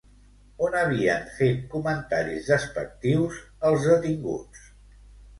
On havien fet comentaris despectius els detinguts?